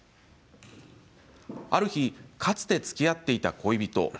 ある日かつて、つきあっていた恋人